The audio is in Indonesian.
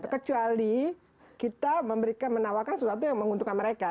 kecuali kita memberikan menawarkan sesuatu yang menguntungkan mereka